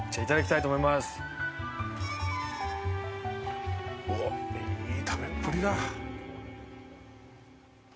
いい食べっぷりだ。